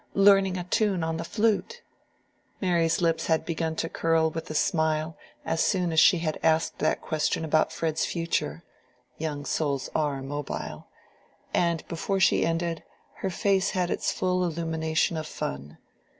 learning a tune on the flute." Mary's lips had begun to curl with a smile as soon as she had asked that question about Fred's future (young souls are mobile), and before she ended, her face had its full illumination of fun.